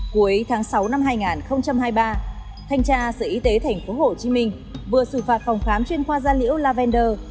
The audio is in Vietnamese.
cuối tháng sáu năm hai nghìn hai mươi ba thanh tra sở y tế tp hcm vừa xử phạt phòng khám chuyên khoa gia liễu lavender